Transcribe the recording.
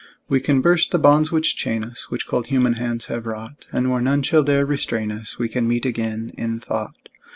We can burst the bonds which chain us, Which cold human hands have wrought, And where none shall dare restrain us We can meet again, in thought.